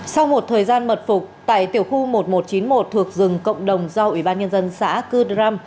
sau một thời gian mật phục tại tiểu khu một nghìn một trăm chín mươi một thuộc rừng cộng đồng do ủy ban nhân dân xã cư đram